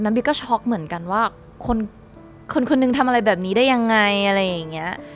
บีก็ช็อกเหมือนกันว่าคนคนหนึ่งทำอะไรแบบนี้ได้ยังไงอะไรอย่างนี้